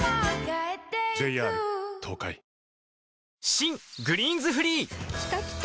新「グリーンズフリー」きたきた！